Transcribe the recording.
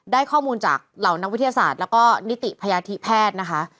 ได้ข้อมูลจากเหล่านักวิทยาศาสตร์แล้วก็นิติพยาธิแพทย์นะคะ